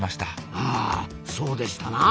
ああそうでしたなあ。